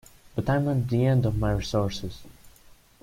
But I am at the end of my resources.